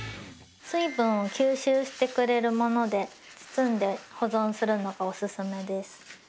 水分を吸収してくれるもので包んで保存するのがオススメです。